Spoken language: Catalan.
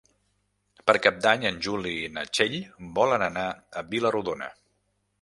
Per Cap d'Any en Juli i na Txell volen anar a Vila-rodona.